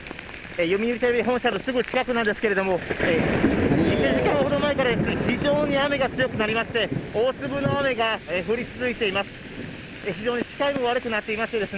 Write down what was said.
読売テレビ本社のすぐ近くなんですけれども、１時間ほど前から非常に雨が強くなりまして、大粒の雨が降り続いています。